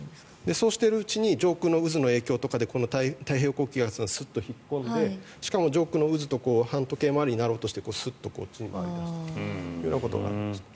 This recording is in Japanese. そうしているうちに上空の渦の影響とかで太平洋高気圧がすっと引っ込んでしかも上空の渦と反時計回りになろうとしてスッとこっちに回ったということがありました。